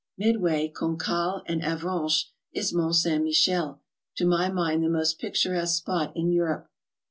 Mid way Cancale and Avranches is Mount St. Michel, to my mind the most picturesque spot in Europe.